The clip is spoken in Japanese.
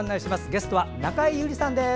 ゲストは中江有里さんです。